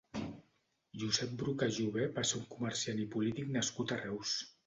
Josep Brocà Jover va ser un comerciant i polític nascut a Reus.